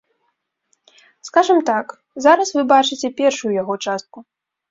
Скажам так, зараз вы бачыце першую яго частку.